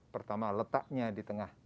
pertama letaknya di tengah